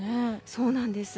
そうなんです。